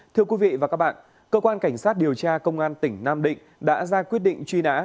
thưa quý vị và các bạn cơ quan cảnh sát điều tra công an tỉnh nam định đã ra quyết định truy nã